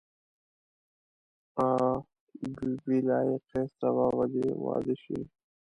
آ بي بي لایقې سبا به دې واده شي.